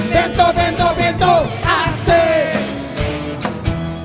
bento bento bento asik